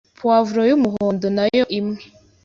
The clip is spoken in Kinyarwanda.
Poivron y’umuhondo nayo imwe